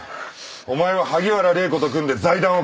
お前は萩原礼子と組んで財団を脅迫した。